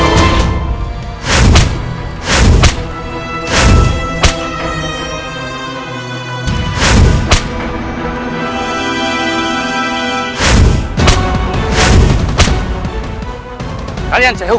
kau tidak bakal bisaestyle biasa